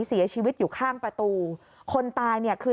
เสียชีวิตอยู่ข้างประตูคนตายเนี่ยคือ